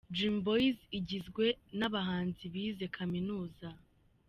Dream Boyz igizwe n’abahanzi bize Kaminuza.